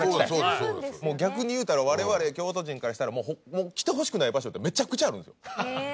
逆にいうたらわれわれ京都人からしたら来てほしくない場所ってめちゃくちゃあるんですよ。